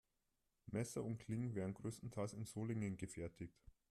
Messer und Klingen werden größtenteils in Solingen gefertigt.